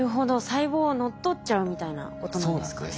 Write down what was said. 細胞を乗っ取っちゃうみたいなことなんですかね。